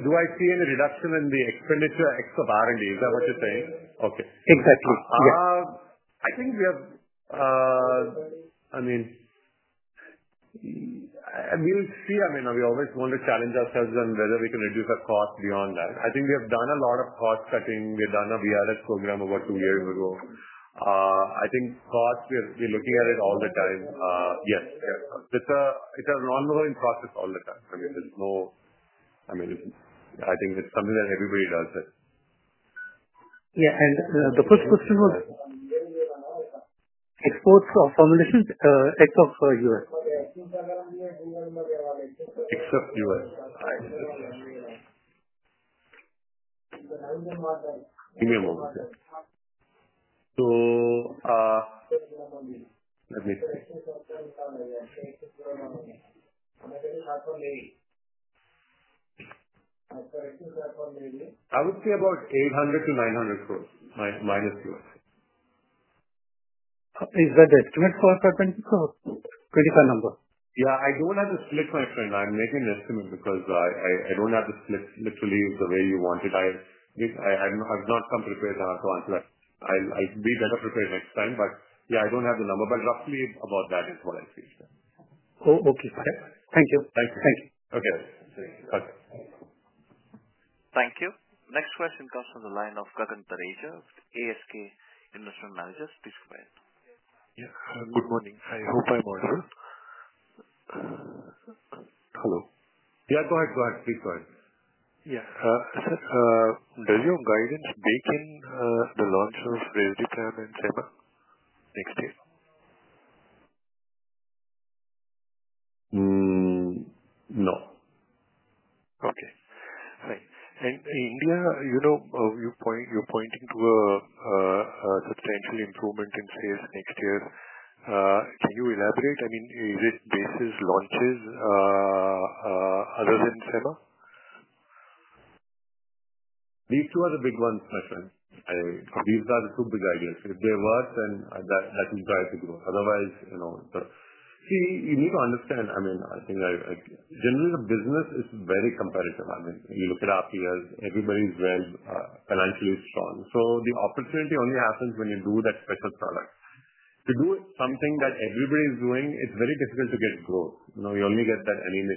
Do I see any reduction in the expenditure ex of R&D? Is that what you're saying? Okay. Exactly. Yeah. I think we have, I mean, we'll see. I mean, we always want to challenge ourselves on whether we can reduce our cost beyond that. I think we have done a lot of cost cutting. We have done a VRS program about two years ago. I think cost, we're looking at it all the time. Yes. It's an ongoing process all the time. I mean, there's no, I mean, I think it's something that everybody does it. Yeah. The first question was exports of formulation ex of U.S. Ex of U.S. Premium only. Let me see. I would say about INR 800- INR 900 crore minus U.S. Is that the estimate for FY 2026 or 2025 number? Yeah. I don't have the split, my friend. I'm making an estimate because I don't have the split literally the way you want it. I've not come prepared to answer that. I'll be better prepared next time. Yeah, I don't have the number, but roughly about that is what I see. Oh, okay. Thank you. Thank you. Thank you. Okay. Thank you. Okay. Thank you. Next question comes from the line of Gargantha Raja, ASK Investment Managers. Please go ahead. Yeah. Good morning. I hope I'm audible. Hello. Yeah. Go ahead. Please go ahead. Yeah. Sir? Does your guidance bake in the launch of Risdiplam and Semaglutide next year? No. Okay. Fine. In India, you're pointing to a substantial improvement in sales next year. Can you elaborate? I mean, is it basis launches other than SEMA? These two are the big ones, my friend. These are the two big ideas. If they work, then that will drive the growth. Otherwise, see, you need to understand. I mean, I think generally, the business is very competitive. I mean, you look at our peers. Everybody's well financially strong. The opportunity only happens when you do that special product. To do something that everybody's doing, it's very difficult to get growth. You only get that, I mean,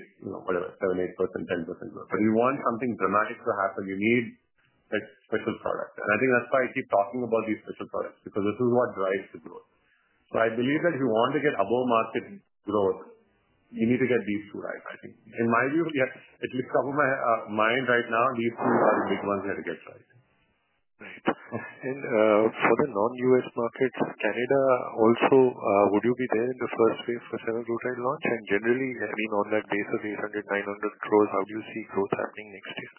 whatever, 7%, 8%, 10% growth. If you want something dramatic to happen, you need that special product. I think that's why I keep talking about these special products because this is what drives the growth. I believe that if you want to get above-market growth, you need to get these two right, I think. In my view, at least off of my mind right now, these two are the big ones you have to get right. Right. For the non-U.S. markets, Canada also, would you be there in the first wave for Semaglutide rollout launch? Generally, I mean, on that basis, INR 800- 900 crore, how do you see growth happening next year?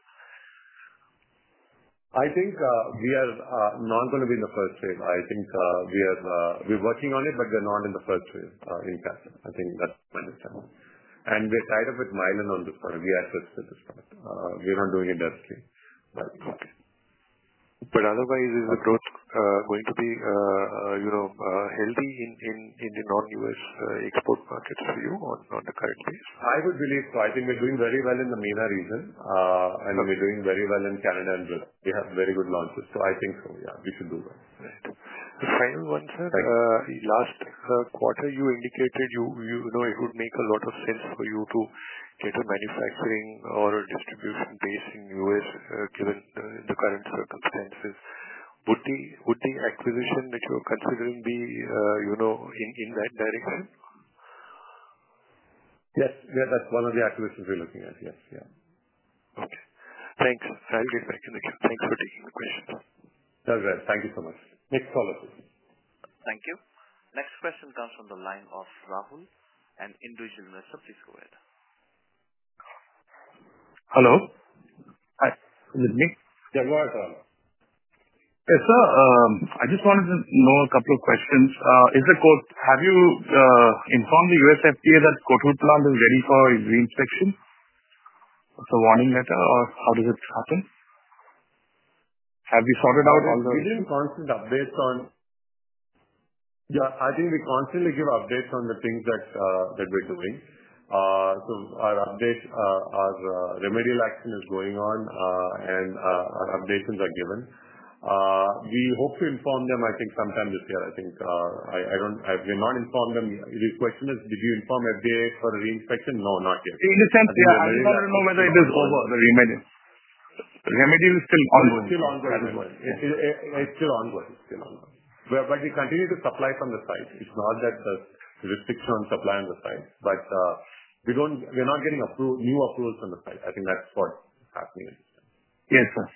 I think we are not going to be in the first wave. I think we're working on it, but we're not in the first wave in Canada. I think that's my understanding. We are tied up with Mylan on this part. We assist with this part. We're not doing it directly, but. Okay. Otherwise, is the growth going to be healthy in the non-US export markets for you on the current base? I would believe so. I think we're doing very well in the MENA region. I think we're doing very well in Canada and Brazil. We have very good launches. I think so, yeah, we should do well. Right. The final one, sir. Last quarter, you indicated it would make a lot of sense for you to get a manufacturing or a distribution base in the U.S. given the current circumstances. Would the acquisition that you're considering be in that direction? Yes. That's one of the acquisitions we're looking at. Yes. Okay. Thanks. I'll get back in the queue. Thanks for taking the questions. That's right. Thank you so much. Next caller, please. Thank you. Next question comes from the line of Rahul and Induja Ndosi. Please go ahead. Hello. Hi. Can you hear me? Yeah. Go ahead, Rahul. Yes, sir. I just wanted to know a couple of questions. Have you informed the US FDA that Kotul plant is ready for its green section? It's a warning letter, or how does it happen? Have we sorted out all the? We're getting constant updates on. Yeah. I think we constantly give updates on the things that we're doing. So our remedial action is going on, and our updates are given. We hope to inform them, I think, sometime this year. I think we've not informed them. The question is, did you inform FDA for the green section? No, not yet. In a sense, yeah. I just wanted to know whether it is over. The remedial is still ongoing. It's still ongoing. We continue to supply from the site. It's not that there is a restriction on supply from the site, but we're not getting new approvals from the site. I think that's what's happening at this time. Yes, sir.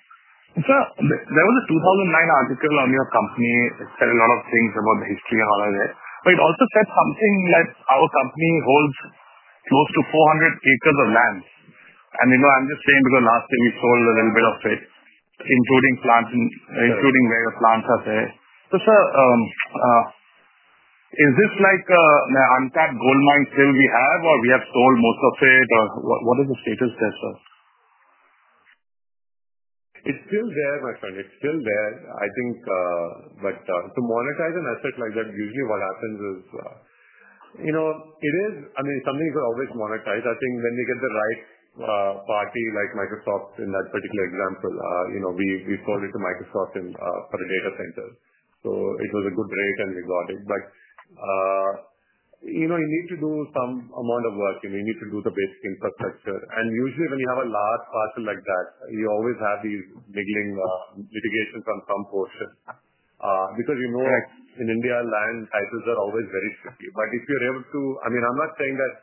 Sir, there was a 2009 article on your company. It said a lot of things about the history and all of that. It also said something like our company holds close to 400 acres of land. I'm just saying because last year, we sold a little bit of it, including where the plants are there. Sir, is this like an untapped gold mine still we have, or we have sold most of it, or what is the status there, sir? It's still there, my friend. It's still there. I think. To monetize an asset like that, usually what happens is it is, I mean, something you could always monetize. I think when we get the right party, like Microsoft in that particular example, we sold it to Microsoft for a data center. It was a good rate, and we got it. You need to do some amount of work, and you need to do the basic infrastructure. Usually, when you have a large parcel like that, you always have these mitigations on some portion because you know in India, land titles are always very tricky. If you're able to, I mean, I'm not saying that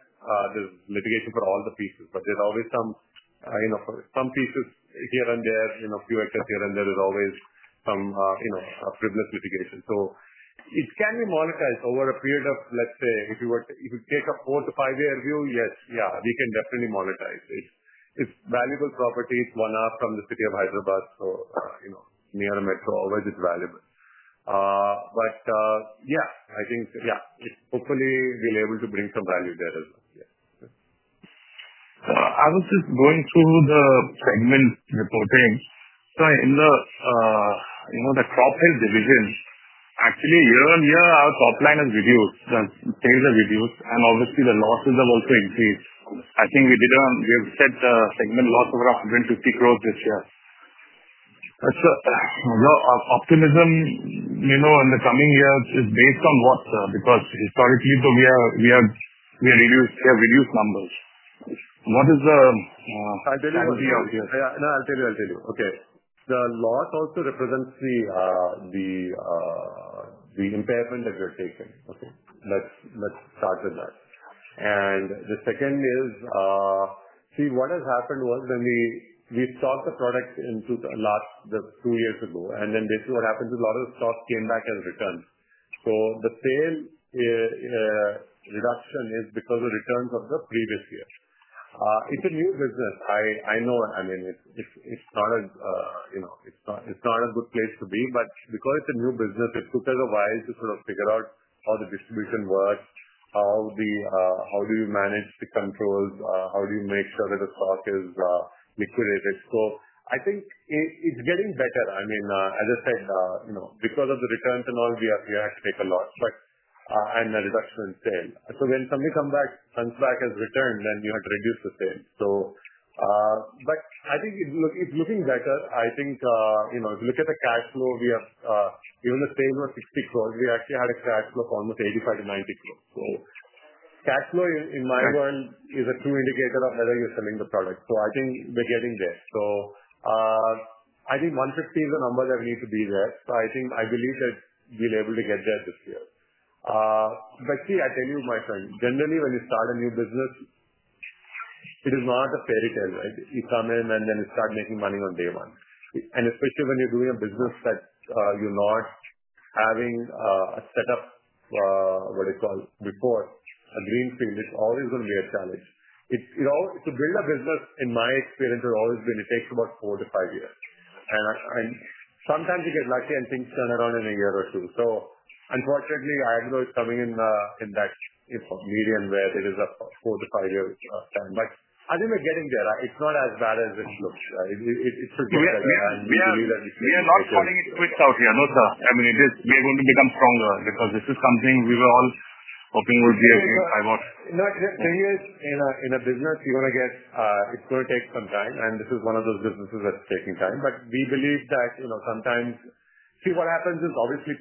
there's mitigation for all the pieces, but there's always some pieces here and there, a few acres here and there, there's always some privileged mitigation. It can be monetized over a period of, let's say, if you take a four- to five-year view, yes, yeah, we can definitely monetize it. It's valuable property. It's one hour from the city of Hyderabad, so near a metro. Always it's valuable. Yeah, I think, yeah, hopefully, we'll be able to bring some value there as well. Yeah. I was just going through the segment reporting. In the Crop Health Sciences division, actually, year on year, our top line has reduced. The sales have reduced, and obviously, the losses have also increased. I think we have set the segment loss of around 150 crore this year. Your optimism in the coming years is based on what, sir? Because historically, we have reduced numbers. What is the idea of this? I'll tell you. Okay. The loss also represents the impairment that we have taken. Okay? Let's start with that. The second is, see, what has happened was when we stocked the product two years ago, and then basically what happened is a lot of the stock came back and returned. The sale reduction is because of the returns of the previous year. It's a new business. I know. I mean, it's not a good place to be, but because it's a new business, it took us a while to sort of figure out how the distribution works, how do you manage the controls, how do you make sure that the stock is liquidated. I think it's getting better. I mean, as I said, because of the returns and all, we had to take a loss and the reduction in sale. When somebody comes back, comes back as returned, then you have to reduce the sales. I think it's looking better. I think if you look at the cash flow, even if the sales were 60 crore, we actually had a cash flow of almost 85-90 crore. Cash flow, in my world, is a true indicator of whether you're selling the product. I think we're getting there. I think 150 is the number that we need to be there. I believe that we'll be able to get there this year. See, I tell you, my friend, generally, when you start a new business, it is not a fairy tale, right? You come in, and then you start making money on day one. Especially when you're doing a business that you're not having a setup, what do you call it, before, a green field, it's always going to be a challenge. To build a business, in my experience, it has always been it takes about four to five years. Sometimes you get lucky, and things turn around in a year or two. Unfortunately, I agree with coming in that medium where there is a four- to five-year time. I think we're getting there. It's not as bad as it looks. It should get there. We are not calling it quits out here. No, sir. I mean, we are going to become stronger because this is something we were all hoping would be a thing. I want. No, thing is, in a business, you're going to get it's going to take some time, and this is one of those businesses that's taking time. We believe that sometimes, see, what happens is, obviously,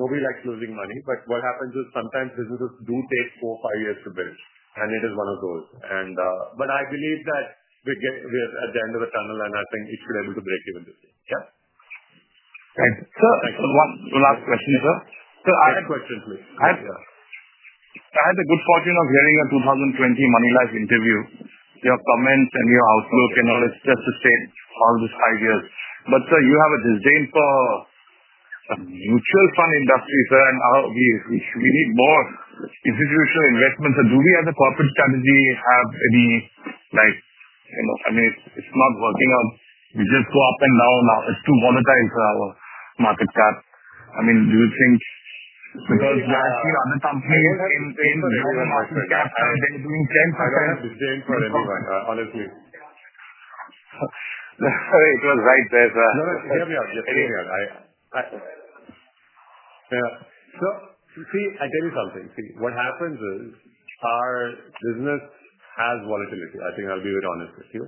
nobody likes losing money, but what happens is sometimes businesses do take four or five years to build, and it is one of those. I believe that we're at the end of the tunnel, and I think it should be able to break even this year. Yeah. Thank you. So one last question, sir.I have a question, please. I had the good fortune of hearing a 2020 MoneyLife interview, your comments, and your outlook and all this just to say all these ideas. Sir, you have a disdain for the mutual fund industry, sir, and we need more institutional investments. Do we as a corporate strategy have any? I mean, it's not working out. We just go up and down. It's too volatile for our market cap. I mean, do you think? Because you actually have other companies in the market cap, and they're doing 10%. I have a disdain for everyone, honestly. It was right there, sir. Yeah. We are. Yes, we are. Yeah. See, I tell you something. See, what happens is our business has volatility. I think I'll be very honest with you.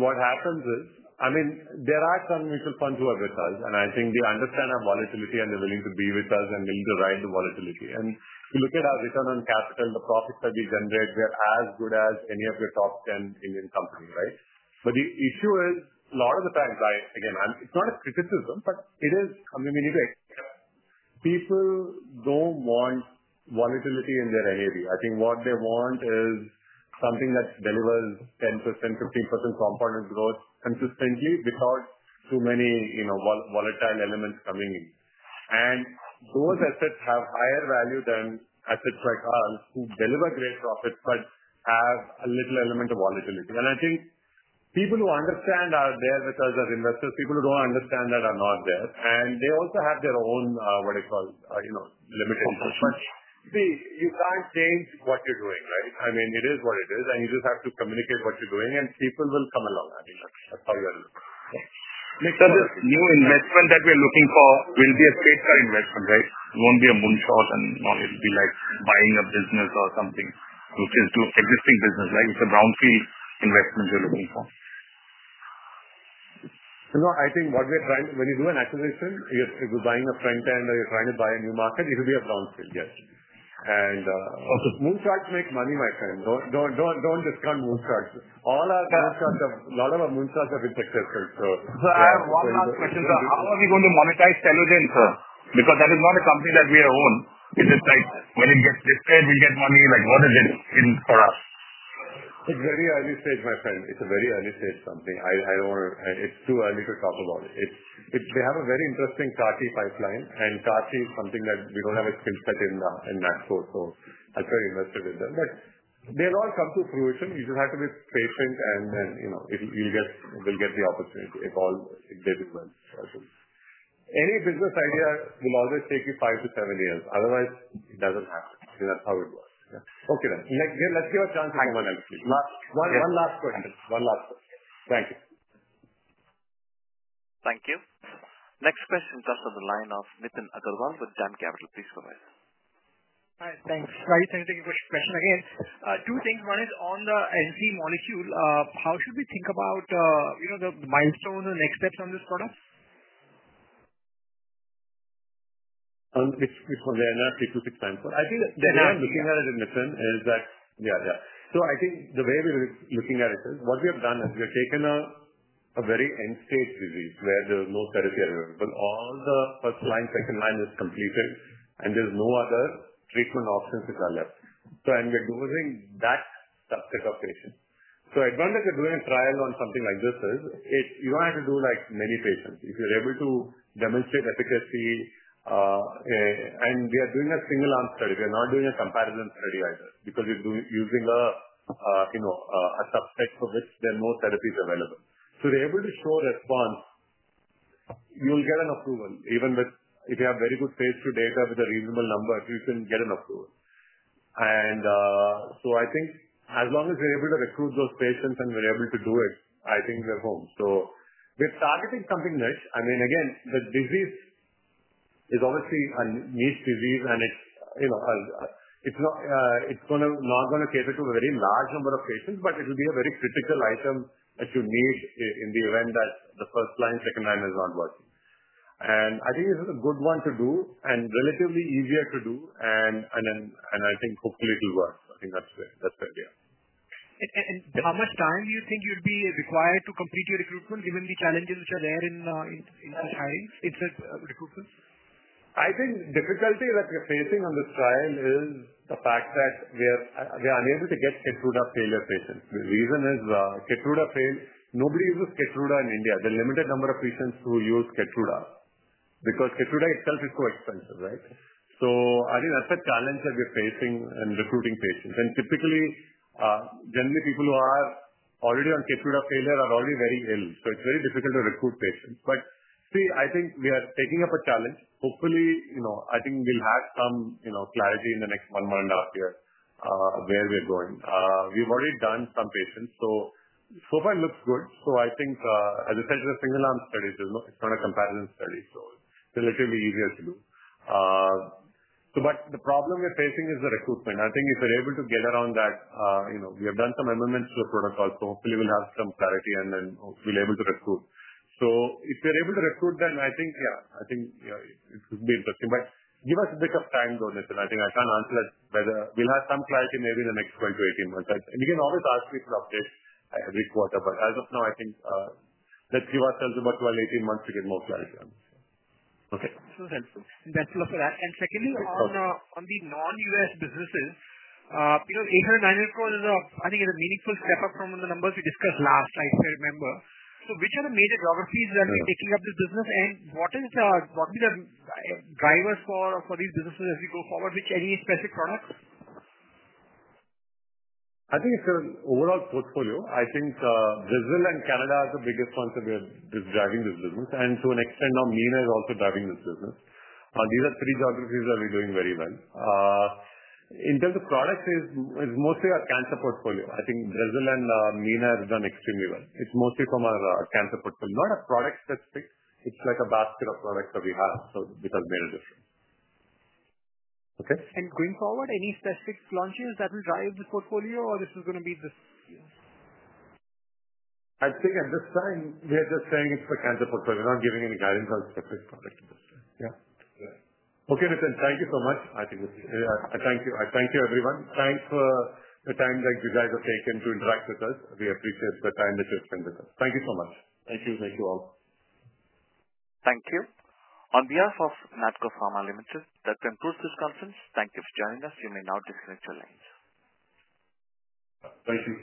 What happens is, I mean, there are some mutual funds who are with us, and I think they understand our volatility, and they're willing to be with us and willing to ride the volatility. If you look at our return on capital, the profits that we generate, they're as good as any of the top 10 Indian companies, right? The issue is, a lot of the times, again, it's not a criticism, but it is. I mean, we need to accept. People do not want volatility in their NAV. I think what they want is something that delivers 10%-15% compounded growth consistently without too many volatile elements coming in. Those assets have higher value than assets like ours who deliver great profits but have a little element of volatility. I think people who understand are there because as investors, people who do not understand that are not there. They also have their own, what do you call it, limited interest. You cannot change what you are doing, right? I mean, it is what it is, and you just have to communicate what you are doing, and people will come along. I mean, that is how you have to look. This new investment that we're looking for will be a state-style investment, right? It won't be a moonshot, and it'll be like buying a business or something, which is to existing business, right? It's a brownfield investment you're looking for. No, I think what we're trying when you do an acquisition, if you're buying a front end or you're trying to buy a new market, it'll be a brownfield, yes. Moonshots make money, my friend. Don't discount moonshots. All our brownfield shots, a lot of our moonshots have been successful, so. I have one last question, sir. How are we going to monetize Tevogen Bio, sir? Because that is not a company that we own. Is it like when it gets listed, we get money? What is it for us? It's very early stage, my friend. It's a very early stage company. I don't want to, it's too early to talk about it. They have a very interesting CAR-T pipeline, and CAR-T is something that we don't have a skill set in Maxport, so I'm very invested with them. They'll all come to fruition. You just have to be patient, and then you'll get the opportunity if they do well. Any business idea will always take you five to seven years. Otherwise, it doesn't happen. That's how it works. Okay. Let's give a chance to someone else, please. One last question. One last question. Thank you. Thank you. Next question comes from the line of Nithin Agarwal with JM Capital. Please go ahead. Hi. Thanks. Sorry. Can I take a quick question again? Two things. One is on the NCE molecule, how should we think about the milestones and the next steps on this product? Before they announced it two weeks time. I think the way I'm looking at it, Nithin, is that yeah, yeah. I think the way we're looking at it is what we have done is we have taken a very end-stage disease where there was no therapy available. All the first line, second line is completed, and there's no other treatment options that are left. We're doing that subset of patients. I don't think we're doing a trial on something like this is you don't have to do many patients. If you're able to demonstrate efficacy and we are doing a single-arm study. We're not doing a comparison study either because we're using a subset for which there are no therapies available. If we're able to show a response, you'll get an approval. If you have very good phase two data with a reasonable number, you can get an approval. I think as long as we're able to recruit those patients and we're able to do it, I think we're home. We're targeting something niche. I mean, again, the disease is obviously a niche disease, and it's not going to cater to a very large number of patients, but it'll be a very critical item that you need in the event that the first line, second line is not working. I think it's a good one to do and relatively easier to do, and I think hopefully it'll work. I think that's it. Yeah. How much time do you think you'd be required to complete your recruitment given the challenges which are there in such hiring recruitment? I think the difficulty that we're facing on this trial is the fact that we're unable to get Keytruda failure patients. The reason is Keytruda fail nobody uses Keytruda in India. There's a limited number of patients who use Keytruda because Keytruda itself is so expensive, right? I think that's a challenge that we're facing in recruiting patients. Typically, generally, people who are already on Keytruda failure are already very ill. It's very difficult to recruit patients. I think we are taking up a challenge. Hopefully, I think we'll have some clarity in the next one month and a half year where we're going. We've already done some patients. So far it looks good. I think, as I said, it's a single-arm study. It's not a comparison study, so it's relatively easier to do. The problem we're facing is the recruitment. I think if we're able to get around that, we have done some amendments to the protocol, so hopefully we'll have some clarity, and then we'll be able to recruit. If we're able to recruit, then I think, yeah, I think it could be interesting. Give us a bit of time though, Nithin. I think I can't answer that whether we'll have some clarity maybe in the next 12-18 months. You can always ask me for an update every quarter, but as of now, I think let's give ourselves about 12-18 months to get more clarity. Okay. That's helpful. Thanks a lot for that. Secondly, on the non-U.S. businesses, INR 800- 900 crore is, I think, a meaningful step up from the numbers we discussed last, I remember. Which are the major geographies that are taking up this business, and what are the drivers for these businesses as we go forward? Any specific products? I think it's an overall portfolio. I think Brazil and Canada are the biggest ones that we are driving this business, and to an extent, now, MENA is also driving this business. These are three geographies that we're doing very well. In terms of products, it's mostly our cancer portfolio. I think Brazil and MENA have done extremely well. It's mostly from our cancer portfolio. Not a product specific. It's like a basket of products that we have, which has made a difference. Going forward, any specific launches that will drive the portfolio, or this is going to be this? I think at this time, we are just saying it's the cancer portfolio. We're not giving any guidance on specific products at this time. Yeah. Okay, Nithin. Thank you so much. I think we'll see. Thank you. I thank you, everyone. Thanks for the time that you guys have taken to interact with us. We appreciate the time that you've spent with us. Thank you so much. Thank you. Thank you all. Thank you. On behalf of Natco Pharma Limited, that concludes this conference. Thank you for joining us. You may now disconnect your lines. Thank you.